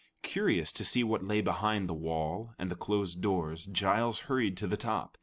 Curious to see what lay behind the wall and the closed doors, Giles hurried to the top.